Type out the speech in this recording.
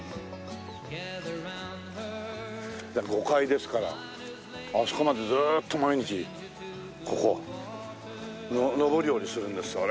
５階ですからあそこまでずっと毎日ここ上り下りするんです。